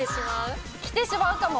きてしまうかも。